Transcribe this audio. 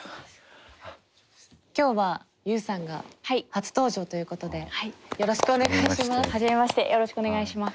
今日はＵさんが初登場ということでよろしくお願いします。